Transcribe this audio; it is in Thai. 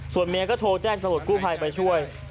ส่วนเมียก็โทรแจ้งตำรวจกู้ภัยไปช่วย